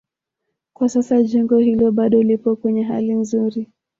Kwa sasa jengo hilo bado lipo kwenye hali nzuri